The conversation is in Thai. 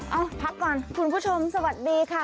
เอ้าพักก่อนคุณผู้ชมสวัสดีค่ะ